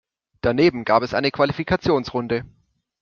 Daneben gab es eine Qualifikationsrunde.